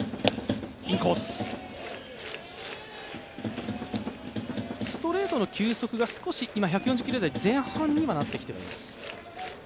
ストレートの球速が少し、今１４０キロ前半にはなってきています。